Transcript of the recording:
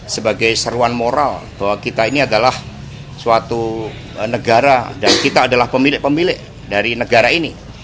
sebagai seruan moral bahwa kita ini adalah suatu negara dan kita adalah pemilik pemilik dari negara ini